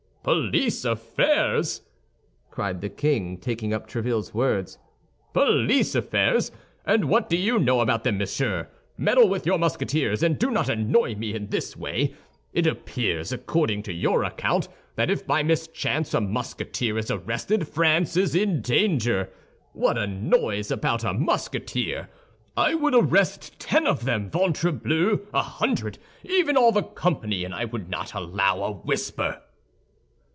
"Police affairs!" cried the king, taking up Tréville's words, "police affairs! And what do you know about them, Monsieur? Meddle with your Musketeers, and do not annoy me in this way. It appears, according to your account, that if by mischance a Musketeer is arrested, France is in danger. What a noise about a Musketeer! I would arrest ten of them, ventrebleu, a hundred, even, all the company, and I would not allow a whisper."